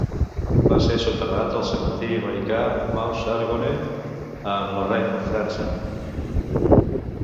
Va ser soterrat al cementiri americà Meuse-Argonne en Lorraine, França.